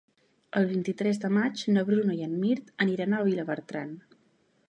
El vint-i-tres de maig na Bruna i en Mirt aniran a Vilabertran.